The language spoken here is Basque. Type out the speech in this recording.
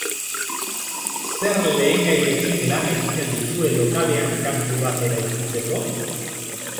Zer lehengairekin lan egiten duzue lokalean kantu bat eraikitzeko?